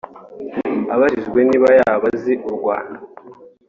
Abajijwe niba yaba azi u Rwanda